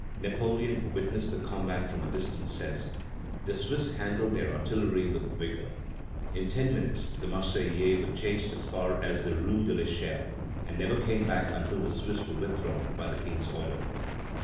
Napoleon, who witnessed the combat from a distance, says: "The Swiss handled their artillery with vigor; in ten minutes the Marseillais were chased as far as the rue de l'Echelle, and never came back until the Swiss were withdrawn by the King's order."